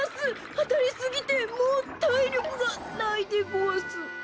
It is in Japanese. あたりすぎてもうたいりょくがないでごわす。